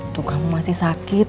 tuh kamu masih sakit